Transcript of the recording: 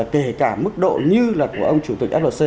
kể cả mức độ như là của ông chủ tịch flc